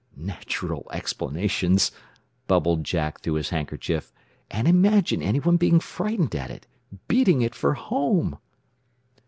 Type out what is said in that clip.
"Natural explanations!" bubbled Jack through his handkerchief. "And imagine anyone being frightened at it beating it for home!"